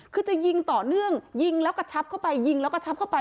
คือจะยิงต่อเนื่องยิงแล้วกระชับเข้าไปยิงแล้วก็ชับเข้าไป